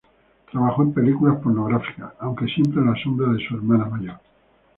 Trabajó en películas pornográficas, aunque siempre a la sombra de su hermana mayor.